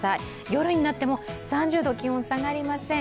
夜になっても３０度、気温が下がりません。